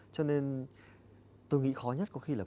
cho nên tôi nghĩ khó nhất có khi là